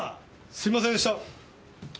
すいませんでした。